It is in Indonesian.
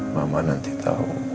mama nanti tau